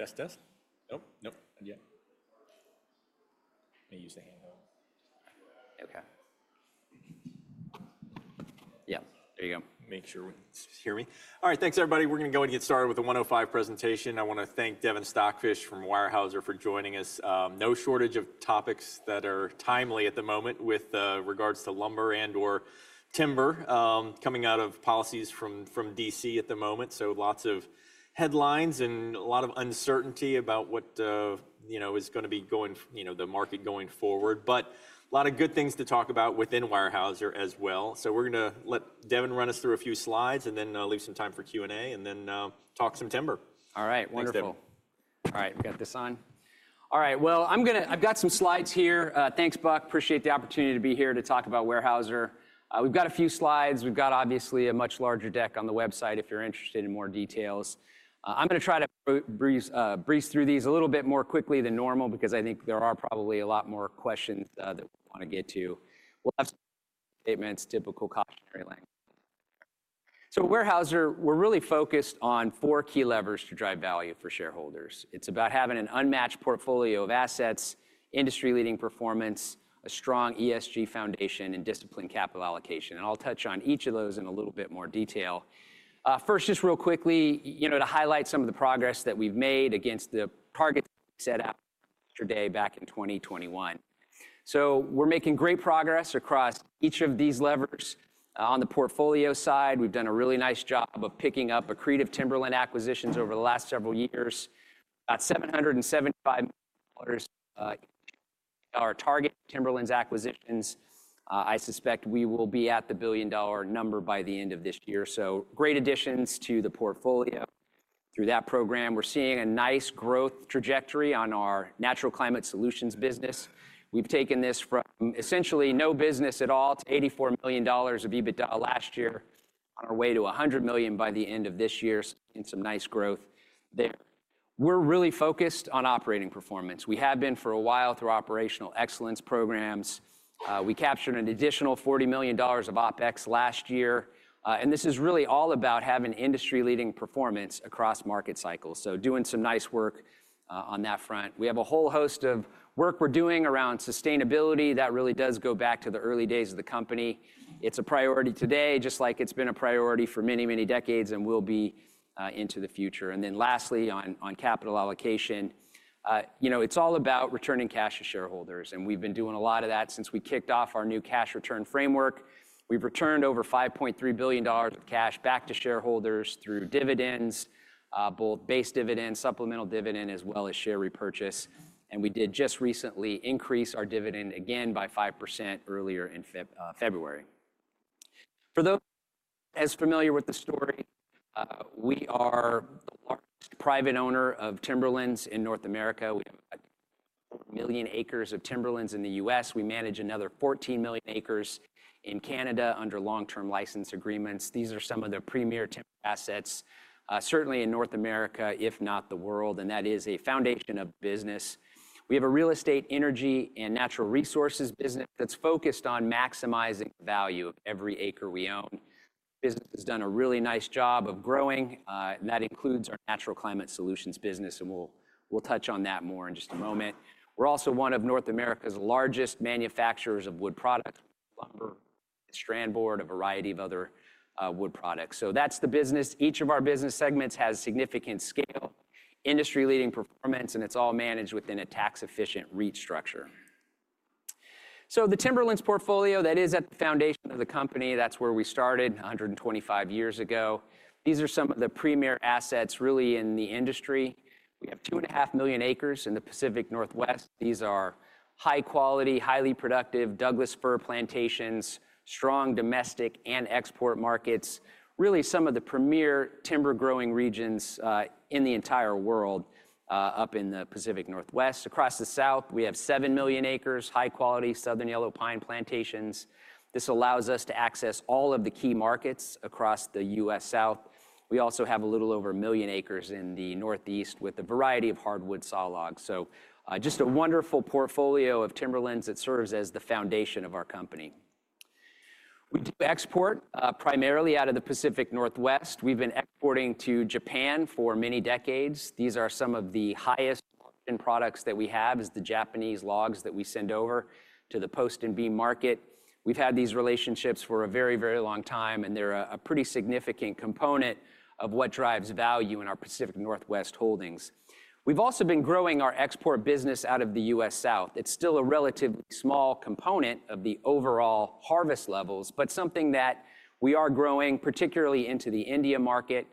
All right. Test test. Nope. Nope. Not yet. May use the handheld. Okay. Yeah. There you go. Make sure we can hear me. All right. Thanks, everybody. We're going to go ahead and get started with the 105 presentation. I want to thank Devin Stockfish from Weyerhaeuser for joining us. No shortage of topics that are timely at the moment with regards to lumber and/or timber coming out of policies from DC at the moment. So lots of headlines and a lot of uncertainty about what is going to be going the market going forward. But a lot of good things to talk about within Weyerhaeuser as well. So we're going to let Devin run us through a few slides and then leave some time for Q&A and then talk some timber. All right. Wonderful. All right. We got this on. All right. Well, I'm going to. I've got some slides here. Thanks, Buck. Appreciate the opportunity to be here to talk about Weyerhaeuser. We've got a few slides. We've got, obviously, a much larger deck on the website if you're interested in more details. I'm going to try to breeze through these a little bit more quickly than normal because I think there are probably a lot more questions that we want to get to. We'll have some statements, typical cautionary language. So at Weyerhaeuser, we're really focused on four key levers to drive value for shareholders. It's about having an unmatched portfolio of assets, industry-leading performance, a strong ESG foundation, and disciplined capital allocation. I'll touch on each of those in a little bit more detail. First, just real quickly, to highlight some of the progress that we've made against the targets we set out yesterday back in 2021, so we're making great progress across each of these levers. On the portfolio side, we've done a really nice job of picking up accretive timberland acquisitions over the last several years. About $775 million in targeted timberland acquisitions. I suspect we will be at the billion-dollar number by the end of this year, so great additions to the portfolio. Through that program, we're seeing a nice growth trajectory on our Natural Climate Solutions business. We've taken this from essentially no business at all to $84 million of EBITDA last year, on our way to $100 million by the end of this year, seeing some nice growth there. We're really focused on operating performance. We have been for a while through operational excellence programs. We captured an additional $40 million of OpEx last year, and this is really all about having industry-leading performance across market cycles, so doing some nice work on that front. We have a whole host of work we're doing around sustainability that really does go back to the early days of the company. It's a priority today, just like it's been a priority for many, many decades and will be into the future, and then lastly, on capital allocation, it's all about returning cash to shareholders, and we've been doing a lot of that since we kicked off our new cash return framework. We've returned over $5.3 billion of cash back to shareholders through dividends, both base dividend, supplemental dividend, as well as share repurchase, and we did just recently increase our dividend again by 5% earlier in February. For those not as familiar with the story, we are the largest private owner of timberlands in North America. We have over a million acres of timberlands in the U.S. We manage another 14 million acres in Canada under long-term license agreements. These are some of the premier timber assets, certainly in North America, if not the world. And that is a foundation of business. We have a real estate, energy, and natural resources business that's focused on maximizing the value of every acre we own. The business has done a really nice job of growing. And that includes our natural climate solutions business. And we'll touch on that more in just a moment. We're also one of North America's largest manufacturers of wood products, lumber, strand board, a variety of other wood products. So that's the business. Each of our business segments has significant scale, industry-leading performance, and it's all managed within a tax-efficient REIT structure. So the timberlands portfolio, that is at the foundation of the company. That's where we started 125 years ago. These are some of the premier assets really in the industry. We have 2.5 million acres in the Pacific Northwest. These are high-quality, highly productive Douglas fir plantations, strong domestic and export markets, really some of the premier timber-growing regions in the entire world up in the Pacific Northwest. Across the South, we have 7 million acres of high-quality southern yellow pine plantations. This allows us to access all of the key markets across the US South. We also have a little over 1 million acres in the Northeast with a variety of hardwood saw logs. Just a wonderful portfolio of timberlands that serves as the foundation of our company. We do export primarily out of the Pacific Northwest. We've been exporting to Japan for many decades. These are some of the highest production products that we have is the Japanese logs that we send over to the post and beam market. We've had these relationships for a very, very long time. And they're a pretty significant component of what drives value in our Pacific Northwest holdings. We've also been growing our export business out of the US South. It's still a relatively small component of the overall harvest levels, but something that we are growing, particularly into the India market,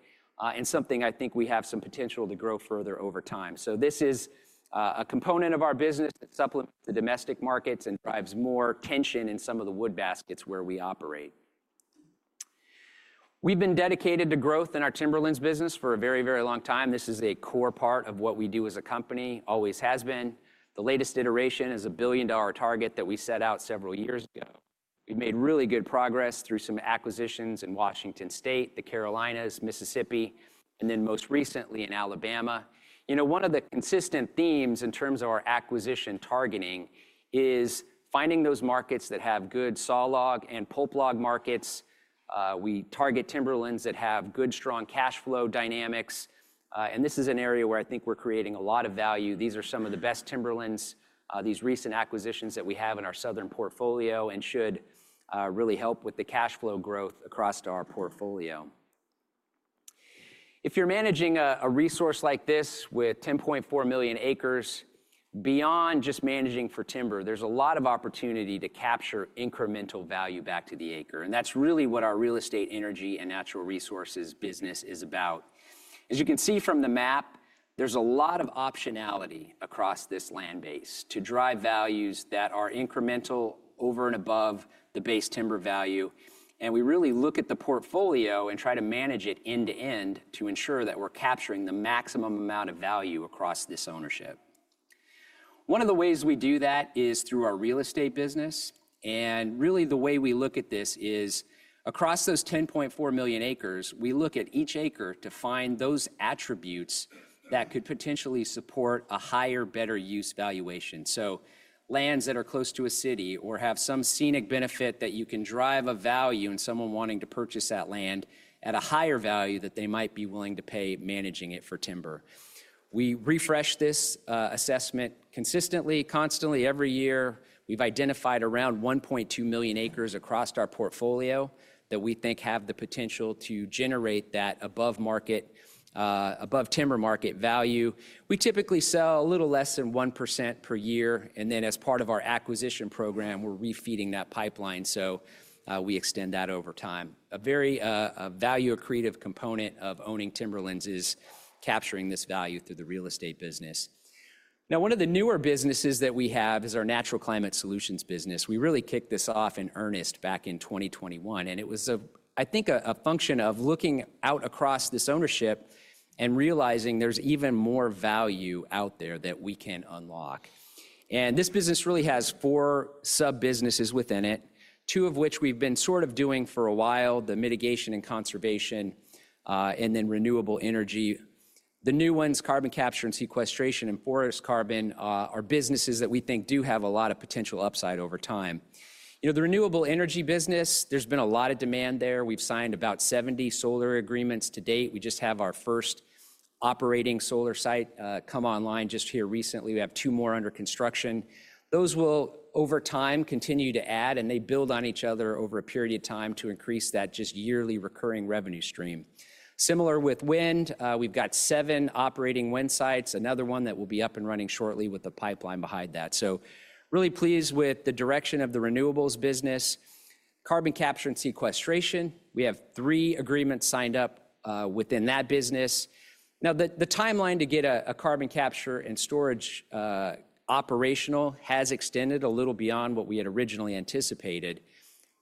and something I think we have some potential to grow further over time. So this is a component of our business that supplements the domestic markets and drives more tension in some of the wood baskets where we operate. We've been dedicated to growth in our timberlands business for a very, very long time. This is a core part of what we do as a company, always has been. The latest iteration is a $1 billion target that we set out several years ago. We've made really good progress through some acquisitions in Washington State, the Carolinas, Mississippi, and then most recently in Alabama. One of the consistent themes in terms of our acquisition targeting is finding those markets that have good saw log and pulp log markets. We target timberlands that have good, strong cash flow dynamics. And this is an area where I think we're creating a lot of value. These are some of the best timberlands, these recent acquisitions that we have in our southern portfolio, and should really help with the cash flow growth across our portfolio. If you're managing a resource like this with 10.4 million acres, beyond just managing for timber, there's a lot of opportunity to capture incremental value per the acre. And that's really what our real estate, energy, and natural resources business is about. As you can see from the map, there's a lot of optionality across this land base to drive values that are incremental over and above the base timber value. And we really look at the portfolio and try to manage it end to end to ensure that we're capturing the maximum amount of value across this ownership. One of the ways we do that is through our real estate business. Really, the way we look at this is across those 10.4 million acres. We look at each acre to find those attributes that could potentially support a higher, better use valuation. So lands that are close to a city or have some scenic benefit that you can drive a value in someone wanting to purchase that land at a higher value that they might be willing to pay managing it for timber. We refresh this assessment consistently, constantly every year. We've identified around 1.2 million acres across our portfolio that we think have the potential to generate that above timber market value. We typically sell a little less than 1% per year. And then as part of our acquisition program, we're refeeding that pipeline. So we extend that over time. A very value-accretive component of owning timberlands is capturing this value through the real estate business. Now, one of the newer businesses that we have is our Natural Climate Solutions business. We really kicked this off in earnest back in 2021. And it was, I think, a function of looking out across this ownership and realizing there's even more value out there that we can unlock. And this business really has four sub-businesses within it, two of which we've been sort of doing for a while, the Mitigation and Conservation, and then Renewable Energy. The new ones, Carbon Capture and Sequestration and Forest Carbon, are businesses that we think do have a lot of potential upside over time. The Renewable Energy business, there's been a lot of demand there. We've signed about 70 solar agreements to date. We just have our first operating solar site come online just here recently. We have two more under construction. Those will, over time, continue to add. They build on each other over a period of time to increase that just yearly recurring revenue stream. Similar with wind, we've got seven operating wind sites, another one that will be up and running shortly with the pipeline behind that. So really pleased with the direction of the renewables business. Carbon Capture and Sequestration, we have three agreements signed up within that business. Now, the timeline to get a carbon capture and storage operational has extended a little beyond what we had originally anticipated.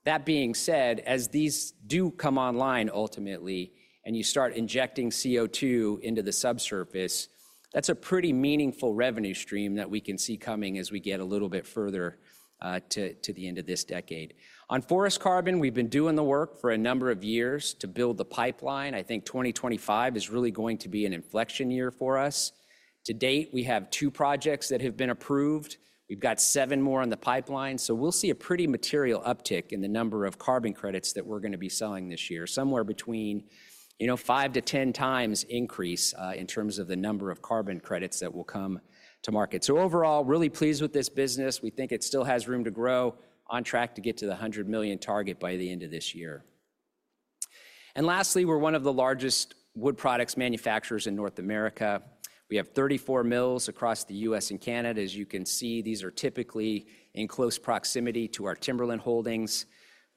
That being said, as these do come online ultimately and you start injecting CO2 into the subsurface, that's a pretty meaningful revenue stream that we can see coming as we get a little bit further to the end of this decade. On Forest Carbon, we've been doing the work for a number of years to build the pipeline. I think 2025 is really going to be an inflection year for us. To date, we have two projects that have been approved. We've got seven more on the pipeline. So we'll see a pretty material uptick in the number of carbon credits that we're going to be selling this year, somewhere between 5 to 10 times increase in terms of the number of carbon credits that will come to market. So overall, really pleased with this business. We think it still has room to grow, on track to get to the 100 million target by the end of this year. And lastly, we're one of the largest wood products manufacturers in North America. We have 34 mills across the U.S. and Canada, as you can see. These are typically in close proximity to our timberland holdings.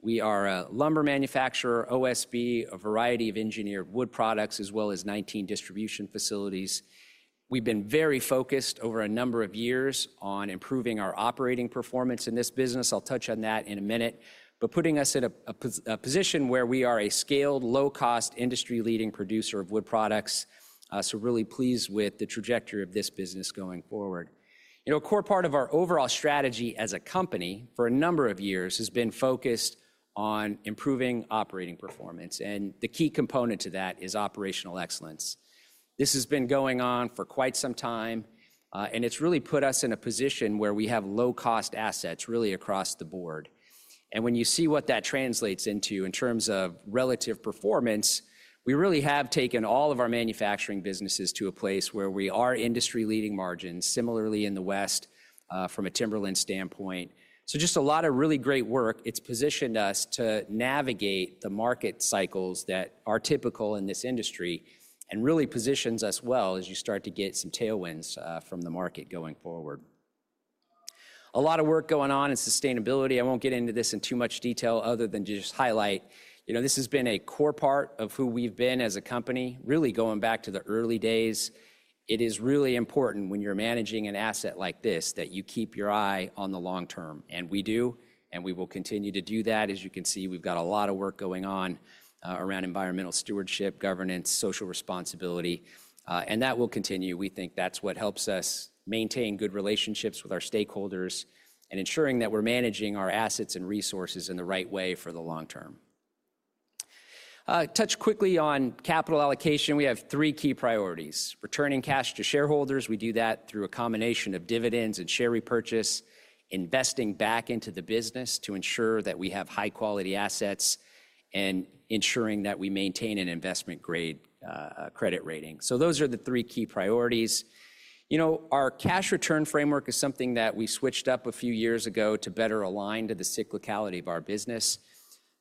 We are a lumber manufacturer, OSB, a variety of engineered wood products, as well as 19 distribution facilities. We've been very focused over a number of years on improving our operating performance in this business. I'll touch on that in a minute, but putting us in a position where we are a scaled, low-cost, industry-leading producer of wood products, so really pleased with the trajectory of this business going forward. A core part of our overall strategy as a company for a number of years has been focused on improving operating performance, and the key component to that is operational excellence. This has been going on for quite some time, and it's really put us in a position where we have low-cost assets really across the board. And when you see what that translates into in terms of relative performance, we really have taken all of our manufacturing businesses to a place where we are industry-leading margins, similarly in the West from a timberland standpoint. So just a lot of really great work. It's positioned us to navigate the market cycles that are typical in this industry and really positions us well as you start to get some tailwinds from the market going forward. A lot of work going on in sustainability. I won't get into this in too much detail other than to just highlight this has been a core part of who we've been as a company, really going back to the early days. It is really important when you're managing an asset like this that you keep your eye on the long term. And we do, and we will continue to do that. As you can see, we've got a lot of work going on around environmental stewardship, governance, social responsibility, and that will continue. We think that's what helps us maintain good relationships with our stakeholders and ensuring that we're managing our assets and resources in the right way for the long term. Touch quickly on capital allocation. We have three key priorities: returning cash to shareholders. We do that through a combination of dividends and share repurchase, investing back into the business to ensure that we have high-quality assets, and ensuring that we maintain an investment-grade credit rating. So those are the three key priorities. Our cash return framework is something that we switched up a few years ago to better align to the cyclicality of our business.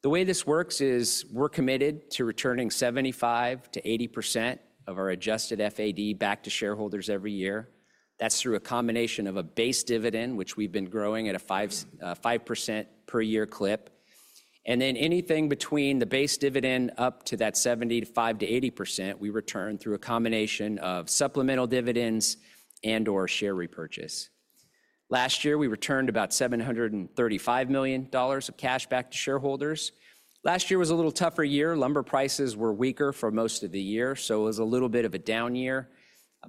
The way this works is we're committed to returning 75%-80% of our Adjusted FAD back to shareholders every year. That's through a combination of a base dividend, which we've been growing at a 5% per year clip, and then anything between the base dividend up to that 75%-80%, we return through a combination of supplemental dividends and/or share repurchase. Last year, we returned about $735 million of cash back to shareholders. Last year was a little tougher year. Lumber prices were weaker for most of the year, so it was a little bit of a down year,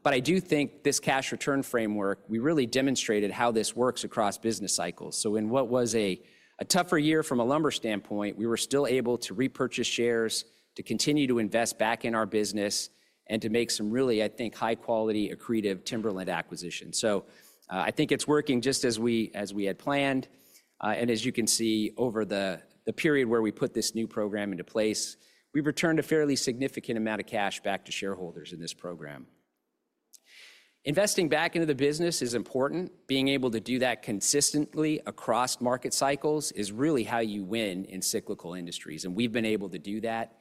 but I do think this cash return framework, we really demonstrated how this works across business cycles, so in what was a tougher year from a lumber standpoint, we were still able to repurchase shares, to continue to invest back in our business, and to make some really, I think, high-quality, accretive timberland acquisitions, so I think it's working just as we had planned. And as you can see, over the period where we put this new program into place, we've returned a fairly significant amount of cash back to shareholders in this program. Investing back into the business is important. Being able to do that consistently across market cycles is really how you win in cyclical industries. And we've been able to do that.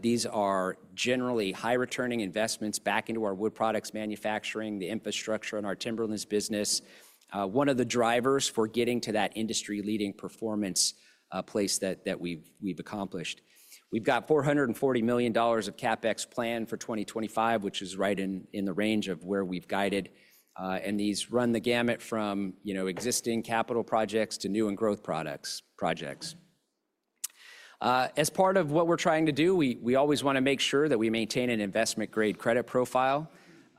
These are generally high-returning investments back into our wood products manufacturing, the infrastructure in our timberlands business, one of the drivers for getting to that industry-leading performance place that we've accomplished. We've got $440 million of CapEx planned for 2025, which is right in the range of where we've guided. And these run the gamut from existing capital projects to new and growth projects. As part of what we're trying to do, we always want to make sure that we maintain an investment-grade credit profile.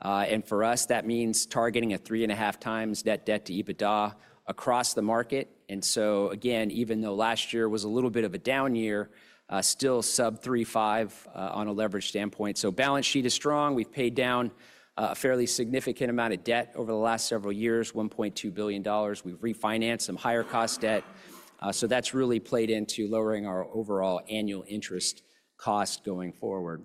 And for us, that means targeting a 3.5 times net debt to EBITDA across the market. And so, again, even though last year was a little bit of a down year, still sub 3.5 on a leverage standpoint. So balance sheet is strong. We've paid down a fairly significant amount of debt over the last several years, $1.2 billion. We've refinanced some higher-cost debt. So that's really played into lowering our overall annual interest cost going forward.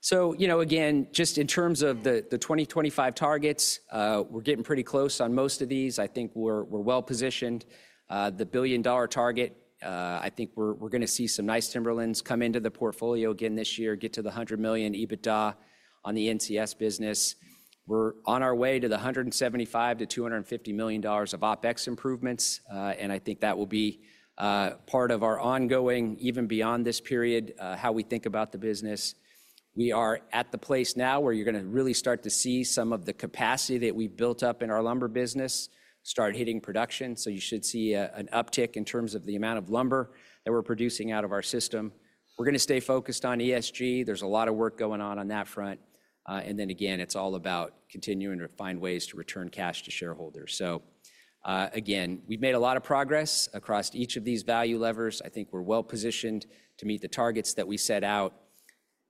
So again, just in terms of the 2025 targets, we're getting pretty close on most of these. I think we're well positioned. The billion-dollar target, I think we're going to see some nice timberlands come into the portfolio again this year, get to the $100 million EBITDA on the NCS business. We're on our way to the $175-$250 million of OpEx improvements. And I think that will be part of our ongoing, even beyond this period, how we think about the business. We are at the place now where you're going to really start to see some of the capacity that we've built up in our lumber business start hitting production. So you should see an uptick in terms of the amount of lumber that we're producing out of our system. We're going to stay focused on ESG. There's a lot of work going on that front. And then again, it's all about continuing to find ways to return cash to shareholders. So again, we've made a lot of progress across each of these value levers. I think we're well positioned to meet the targets that we set out.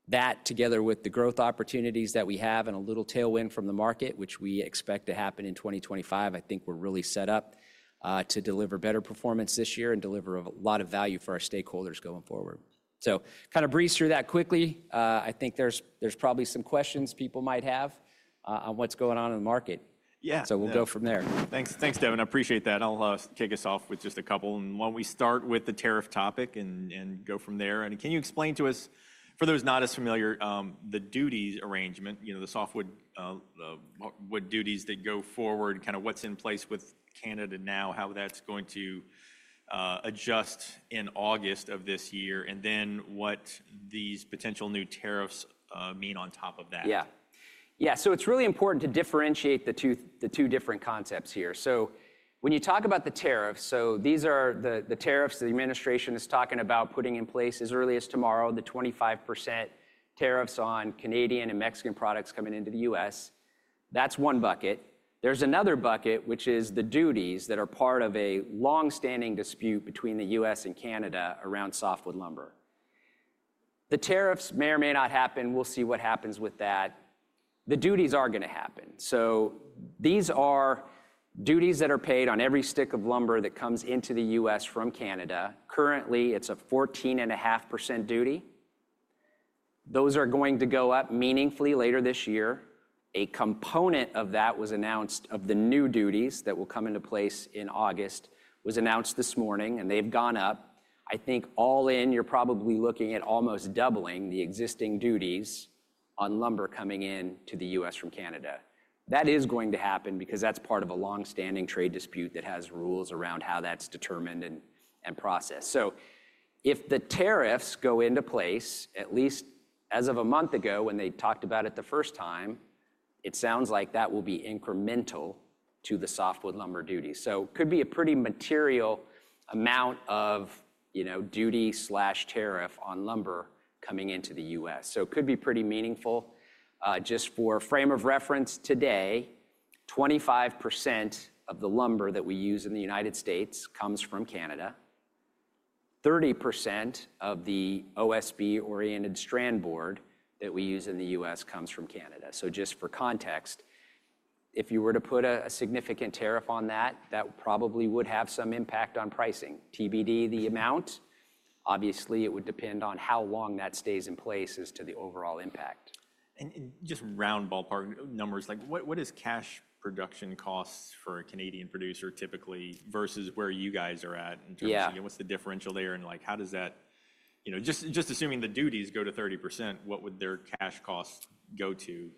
That, together with the growth opportunities that we have and a little tailwind from the market, which we expect to happen in 2025, I think we're really set up to deliver better performance this year and deliver a lot of value for our stakeholders going forward, so kind of breeze through that quickly. I think there's probably some questions people might have on what's going on in the market. Yeah, so we'll go from there. Thanks, Devin. I appreciate that. I'll kick us off with just a couple and why don't we start with the tariff topic and go from there? Can you explain to us, for those not as familiar, the duties arrangement, the softwood duties that go forward, kind of what's in place with Canada now, how that's going to adjust in August of this year, and then what these potential new tariffs mean on top of that? Yeah. Yeah. So it's really important to differentiate the two different concepts here. So when you talk about the tariffs, so these are the tariffs the administration is talking about putting in place as early as tomorrow, the 25% tariffs on Canadian and Mexican products coming into the U.S. That's one bucket. There's another bucket, which is the duties that are part of a long-standing dispute between the U.S. and Canada around softwood lumber. The tariffs may or may not happen. We'll see what happens with that. The duties are going to happen. These are duties that are paid on every stick of lumber that comes into the U.S. from Canada. Currently, it's a 14.5% duty. Those are going to go up meaningfully later this year. A component of that was announced of the new duties that will come into place in August was announced this morning. They've gone up. I think all in, you're probably looking at almost doubling the existing duties on lumber coming into the U.S. from Canada. That is going to happen because that's part of a long-standing trade dispute that has rules around how that's determined and processed. If the tariffs go into place, at least as of a month ago when they talked about it the first time, it sounds like that will be incremental to the softwood lumber duties. So it could be a pretty material amount of duty/tariff on lumber coming into the U.S. So it could be pretty meaningful. Just for frame of reference today, 25% of the lumber that we use in the United States comes from Canada. 30% of the OSB, oriented strand board that we use in the U.S. comes from Canada. So just for context, if you were to put a significant tariff on that, that probably would have some impact on pricing. TBD the amount. Obviously, it would depend on how long that stays in place as to the overall impact. And just round ballpark numbers, what is cash production costs for a Canadian producer typically versus where you guys are at in terms of what's the differential there? And how does that just assuming the duties go to 30%, what would their cash costs go to?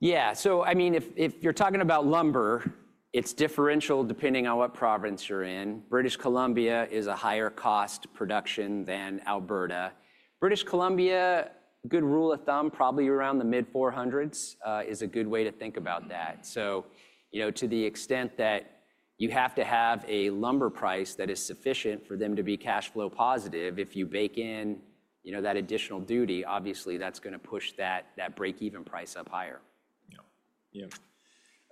Yeah. I mean, if you're talking about lumber, it's different depending on what province you're in. British Columbia is a higher-cost production than Alberta. British Columbia, good rule of thumb, probably around the mid 400s is a good way to think about that. So to the extent that you have to have a lumber price that is sufficient for them to be cash flow positive, if you bake in that additional duty, obviously that's going to push that break-even price up higher. Yeah. Yeah.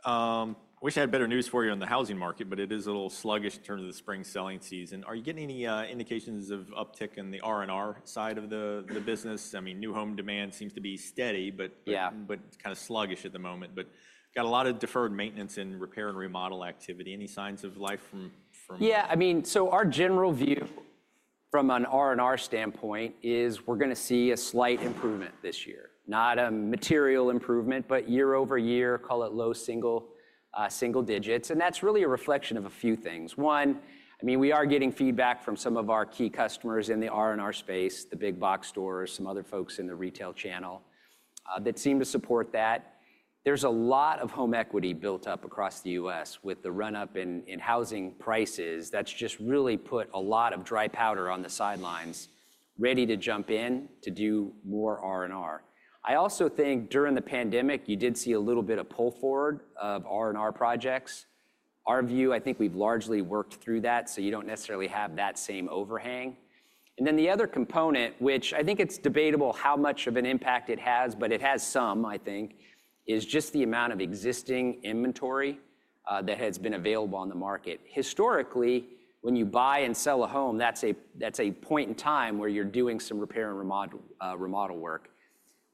I wish I had better news for you on the housing market, but it is a little sluggish in terms of the spring selling season. Are you getting any indications of uptick in the R&R side of the business? I mean, new home demand seems to be steady, but kind of sluggish at the moment. But got a lot of deferred maintenance and repair and remodel activity. Any signs of life from? Yeah, I mean, so our general view from an R&R standpoint is we're going to see a slight improvement this year. Not a material improvement, but year over year, call it low single digits, and that's really a reflection of a few things. One, I mean, we are getting feedback from some of our key customers in the R&R space, the big box stores, some other folks in the retail channel that seem to support that. There's a lot of home equity built up across the U.S. with the run-up in housing prices that's just really put a lot of dry powder on the sidelines ready to jump in to do more R&R. I also think during the pandemic, you did see a little bit of pull forward of R&R projects. Our view, I think we've largely worked through that, so you don't necessarily have that same overhang. And then the other component, which I think it's debatable how much of an impact it has, but it has some, I think, is just the amount of existing inventory that has been available on the market. Historically, when you buy and sell a home, that's a point in time where you're doing some repair and remodel work.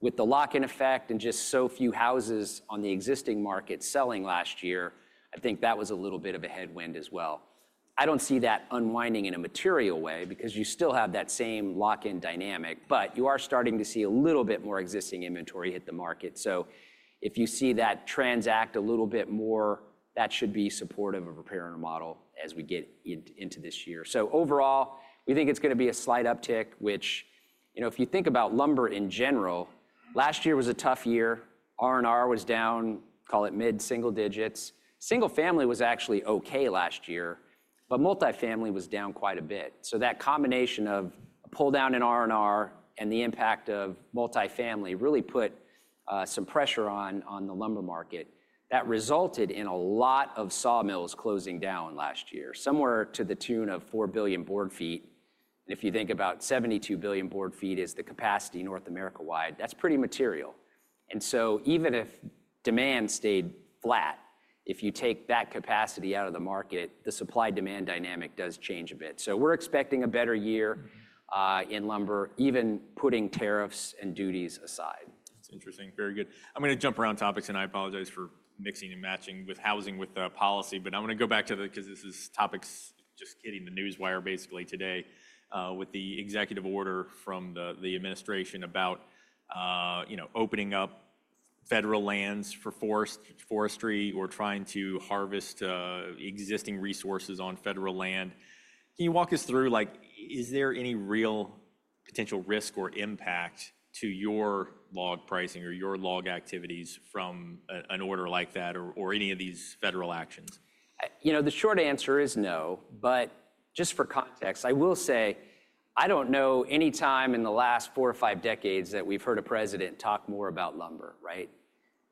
With the lock-in effect and just so few houses on the existing market selling last year, I think that was a little bit of a headwind as well. I don't see that unwinding in a material way because you still have that same lock-in dynamic, but you are starting to see a little bit more existing inventory hit the market. If you see that transact a little bit more, that should be supportive of repair and remodel as we get into this year. Overall, we think it's going to be a slight uptick, which if you think about lumber in general, last year was a tough year. R&R was down, call it mid-single digits. Single-family was actually okay last year, but multi-family was down quite a bit. That combination of a pull down in R&R and the impact of multi-family really put some pressure on the lumber market. That resulted in a lot of sawmills closing down last year, somewhere to the tune of 4 billion board feet. If you think about 72 billion board feet is the capacity North America-wide, that's pretty material. And so even if demand stayed flat, if you take that capacity out of the market, the supply-demand dynamic does change a bit. So we're expecting a better year in lumber, even putting tariffs and duties aside. That's interesting. Very good. I'm going to jump around topics, and I apologize for mixing and matching with housing with policy, but I'm going to go back to the because this is topics just hitting the news wire basically today with the executive order from the administration about opening up federal lands for forestry or trying to harvest existing resources on federal land. Can you walk us through, is there any real potential risk or impact to your log pricing or your log activities from an order like that or any of these federal actions? The short answer is no. But just for context, I will say I don't know any time in the last four or five decades that we've heard a president talk more about lumber, right?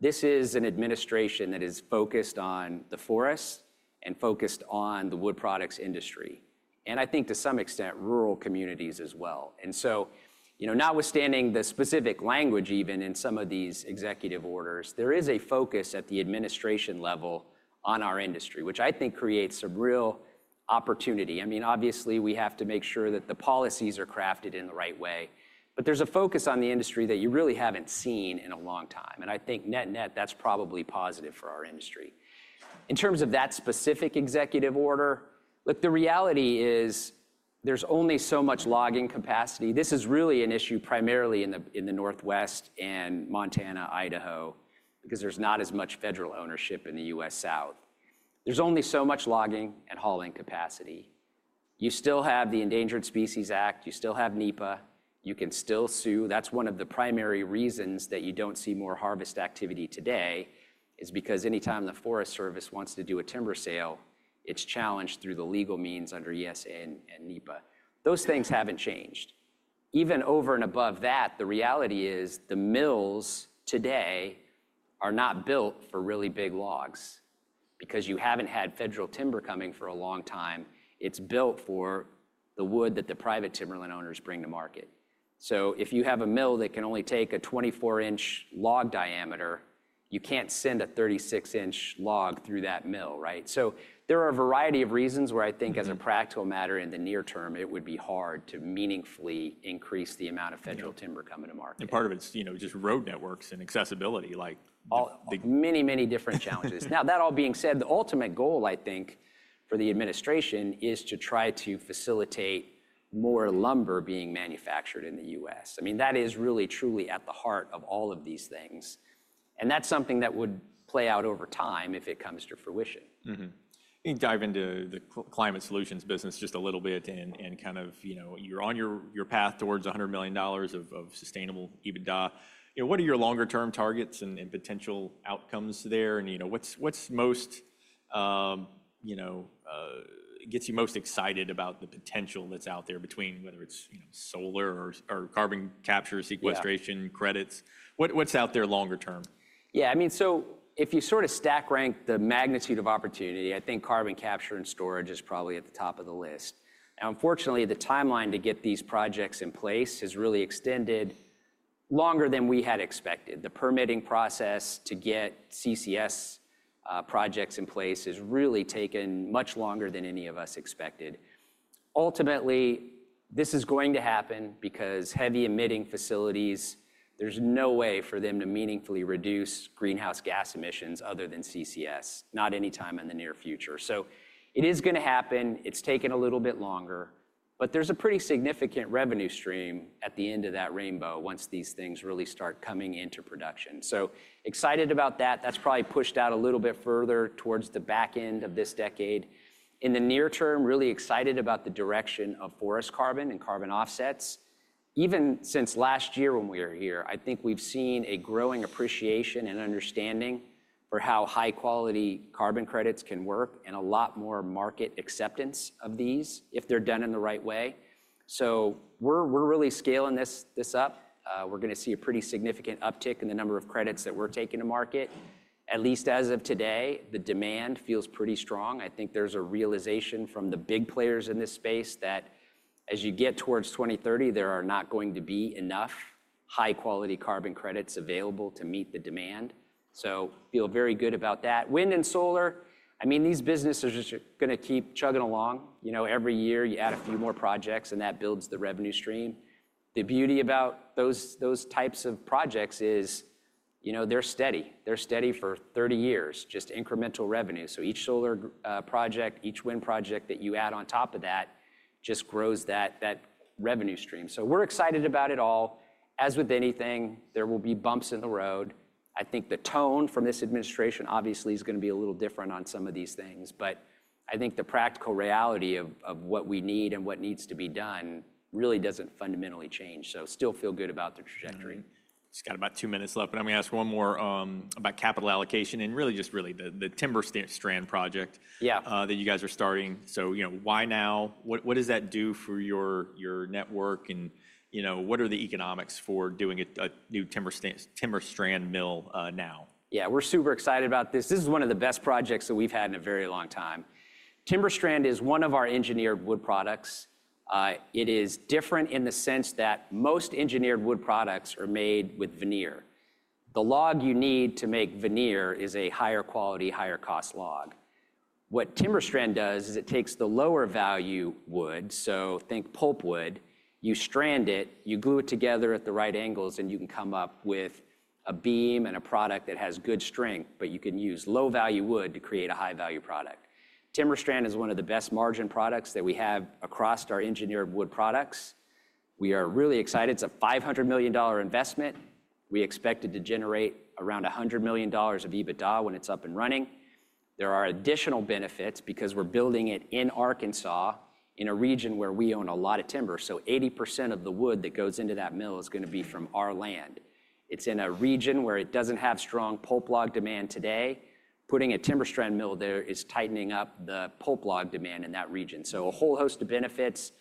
This is an administration that is focused on the forests and focused on the wood products industry. And I think to some extent, rural communities as well. And so notwithstanding the specific language even in some of these executive orders, there is a focus at the administration level on our industry, which I think creates a real opportunity. I mean, obviously, we have to make sure that the policies are crafted in the right way. But there's a focus on the industry that you really haven't seen in a long time. And I think net-net, that's probably positive for our industry. In terms of that specific executive order, look, the reality is there's only so much logging capacity. This is really an issue primarily in the Northwest and Montana, Idaho, because there's not as much federal ownership in the U.S. South. There's only so much logging and hauling capacity. You still have the Endangered Species Act. You still have NEPA. You can still sue. That's one of the primary reasons that you don't see more harvest activity today is because anytime the Forest Service wants to do a timber sale, it's challenged through the legal means under ESA and NEPA. Those things haven't changed. Even over and above that, the reality is the mills today are not built for really big logs because you haven't had federal timber coming for a long time. It's built for the wood that the private timberland owners bring to market. So if you have a mill that can only take a 24-inch log diameter, you can't send a 36-inch log through that mill, right? So there are a variety of reasons where I think as a practical matter in the near term, it would be hard to meaningfully increase the amount of federal timber coming to market. And part of it's just road networks and accessibility. Many, many different challenges. Now, that all being said, the ultimate goal, I think, for the administration is to try to facilitate more lumber being manufactured in the U.S. I mean, that is really, truly at the heart of all of these things. And that's something that would play out over time if it comes to fruition. Can you dive into the climate solutions business just a little bit and kind of you're on your path towards $100 million of sustainable EBITDA? What are your longer-term targets and potential outcomes there? And what gets you most excited about the potential that's out there between whether it's solar or carbon capture, sequestration, credits? What's out there longer term? Yeah. I mean, so if you sort of stack rank the magnitude of opportunity, I think carbon capture and storage is probably at the top of the list, and unfortunately, the timeline to get these projects in place has really extended longer than we had expected. The permitting process to get CCS projects in place has really taken much longer than any of us expected. Ultimately, this is going to happen because heavy emitting facilities, there's no way for them to meaningfully reduce greenhouse gas emissions other than CCS, not anytime in the near future, so it is going to happen. It's taken a little bit longer, but there's a pretty significant revenue stream at the end of that rainbow once these things really start coming into production. So excited about that. That's probably pushed out a little bit further towards the back end of this decade. In the near term, really excited about the direction of forest carbon and carbon offsets. Even since last year when we were here, I think we've seen a growing appreciation and understanding for how high-quality carbon credits can work and a lot more market acceptance of these if they're done in the right way. So we're really scaling this up. We're going to see a pretty significant uptick in the number of credits that we're taking to market. At least as of today, the demand feels pretty strong. I think there's a realization from the big players in this space that as you get towards 2030, there are not going to be enough high-quality carbon credits available to meet the demand. So feel very good about that. Wind and solar, I mean, these businesses are going to keep chugging along. Every year, you add a few more projects, and that builds the revenue stream. The beauty about those types of projects is they're steady. They're steady for 30 years, just incremental revenue. So each solar project, each wind project that you add on top of that just grows that revenue stream. So we're excited about it all. As with anything, there will be bumps in the road. I think the tone from this administration obviously is going to be a little different on some of these things. I think the practical reality of what we need and what needs to be done really doesn't fundamentally change. So still feel good about the trajectory. Just got about two minutes left. I'm going to ask one more about capital allocation and really just the TimberStrand project that you guys are starting. So why now? What does that do for your network? And what are the economics for doing a new TimberStrand mill now? Yeah, we're super excited about this. This is one of the best projects that we've had in a very long time. TimberStrand is one of our engineered wood products. It is different in the sense that most engineered wood products are made with veneer. The log you need to make veneer is a higher quality, higher cost log. What TimberStrand does is it takes the lower value wood, so think pulp wood, you strand it, you glue it together at the right angles, and you can come up with a beam and a product that has good strength, but you can use low-value wood to create a high-value product. TimberStrand is one of the best margin products that we have across our Engineered Wood Products. We are really excited. It's a $500 million investment. We expect it to generate around $100 million of EBITDA when it's up and running. There are additional benefits because we're building it in Arkansas in a region where we own a lot of timber, so 80% of the wood that goes into that mill is going to be from our land. It's in a region where it doesn't have strong pulp log demand today. Putting a TimberStrand mill there is tightening up the pulp log demand in that region. So a whole host of benefits.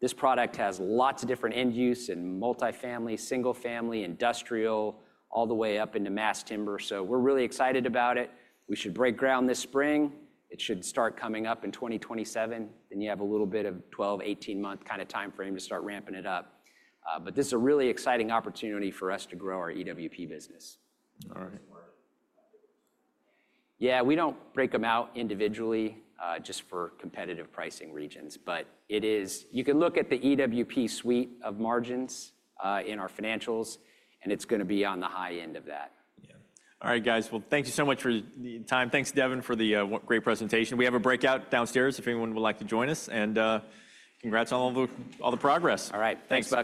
This product has lots of different end use in multifamily, single-family, industrial, all the way up into mass timber. So we're really excited about it. We should break ground this spring. It should start coming up in 2027. Then you have a little bit of 12-18-month kind of timeframe to start ramping it up. But this is a really exciting opportunity for us to grow our EWP business. All right. Yeah, we don't break them out individually just for competitive reasons, but you can look at the EWP suite of margins in our financials, and it's going to be on the high end of that. Yeah. All right, guys. Well, thank you so much for the time. Thanks, Devin, for the great presentation. We have a breakout downstairs if anyone would like to join us. And congrats on all the progress. All right. Thanks.